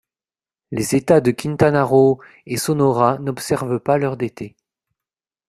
Les États de Quintana Roo et Sonora n'observent pas l'heure d'été.